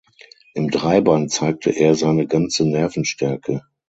Im Dreiband zeigte er seine ganze Nervenstärke.